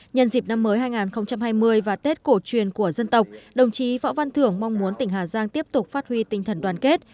nhân dịp năm mới hai nghìn hai mươi và tết cổ truyền của dân tộc đồng chí võ văn thưởng mong muốn tỉnh hà giang tiếp tục phát huy tinh thần đoàn kết